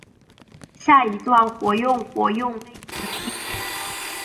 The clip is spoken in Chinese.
下一段活用活用类型的一种。